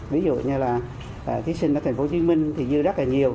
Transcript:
ví dụ như là thí sinh ở tp hcm thì như rất là nhiều